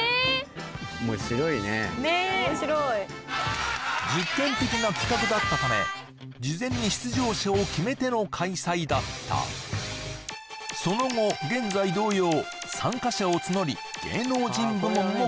ねえ面白い実験的な企画だったため事前に出場者を決めての開催だったその後現在同様参加者を募り